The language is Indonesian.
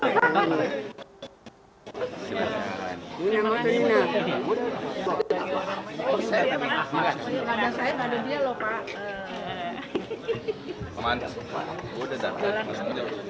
silahkan jangan lupa like share komen dan share video ini ya